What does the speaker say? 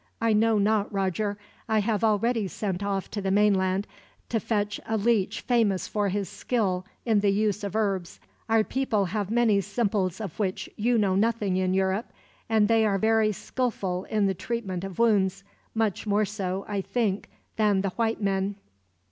"I know not, Roger. I have already sent off to the mainland, to fetch a leech famous for his skill in the use of herbs. Our people have many simples of which you know nothing in Europe, and they are very skillful in the treatment of wounds much more so, I think, than the white men."